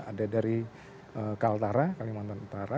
ada dari kalimantan utara